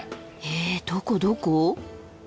えどこどこ？